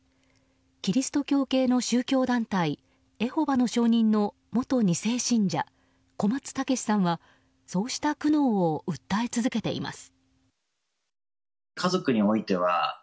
キリスト教系の宗教団体エホバの証人の元２世信者小松猛さんはそうした苦悩を訴え続けています。